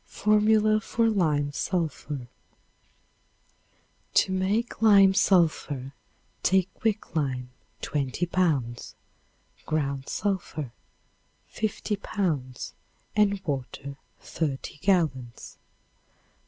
Formula for Lime Sulphur. To make lime sulphur take quick lime, 20 pounds; ground sulphur, 15 pounds and water 30 gallons.